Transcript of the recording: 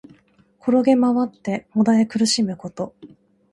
転げまわって悶え苦しむこと。